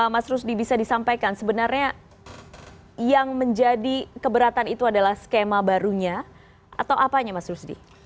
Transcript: mas rusdi bisa disampaikan sebenarnya yang menjadi keberatan itu adalah skema barunya atau apanya mas rusdi